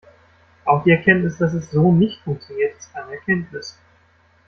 Auch die Erkenntnis, dass es so nicht funktioniert, ist eine Erkenntnis.